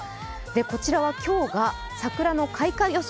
こちらは今日が桜の開花予想